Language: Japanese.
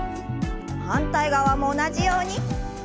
反対側も同じように。